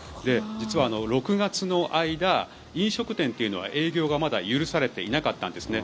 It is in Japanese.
実は６月の間飲食店というのは営業がまだ許されていなかったんですね。